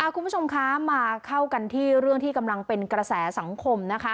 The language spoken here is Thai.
คุณผู้ชมคะมาเข้ากันที่เรื่องที่กำลังเป็นกระแสสังคมนะคะ